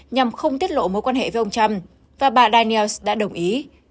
nhằm không tiết lộ mối quan hệ với ông trump và bà dannels đã đồng ý